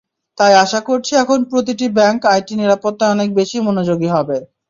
তাই আশা করছি, এখন প্রতিটি ব্যাংক আইটি নিরাপত্তায় অনেক বেশি মনোযোগী হবে।